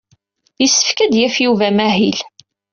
Yessefk ad d-yaf Yuba amahil.